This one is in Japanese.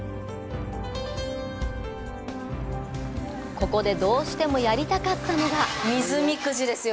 ここで、どうしてもやりたかったのが水みくじですよ。